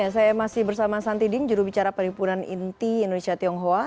saya masih bersama santi ding jurubicara perhimpunan inti indonesia tionghoa